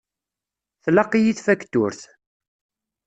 Tlaq-iyi tfakturt.